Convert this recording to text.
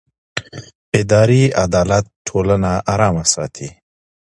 اداري عدالت ټولنه ارامه ساتي